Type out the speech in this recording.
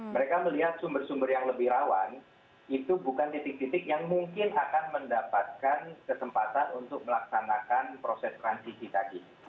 mereka melihat sumber sumber yang lebih rawan itu bukan titik titik yang mungkin akan mendapatkan kesempatan untuk melaksanakan proses transisi tadi